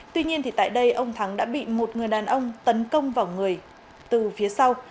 tuy nhiên tại đây ông thắng đã bị một người đàn ông tấn công vào người từ phía sau